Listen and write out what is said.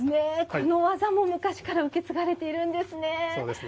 この技も昔から受け継がれているんですね。